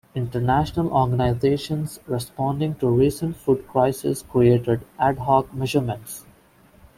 International organizations responding to recent food crises created "ad hoc" measurements.